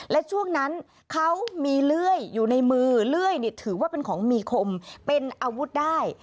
และช่วงนั้นเขามีเลื่อยอยู่ในมือเลื่อยถือว่าเป็นของมีคมเป็นอาวุธได้